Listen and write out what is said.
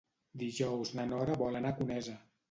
Dijous na Nora vol anar a Conesa.